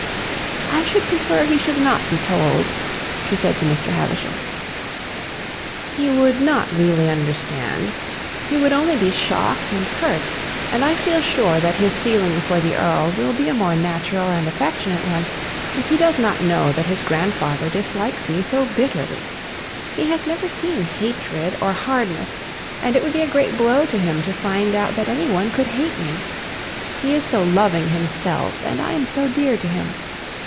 "I should prefer he should not be told," she said to Mr. Havisham. "He would not really understand; he would only be shocked and hurt; and I feel sure that his feeling for the Earl will be a more natural and affectionate one if he does not know that his grandfather dislikes me so bitterly. He has never seen hatred or hardness, and it would be a great blow to him to find out that any one could hate me. He is so loving himself, and I am so dear to him!